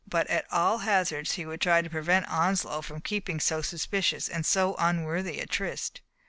But at all hazards he would try to prevent Onslow from keeping so suspicious and so unworthy a tryst.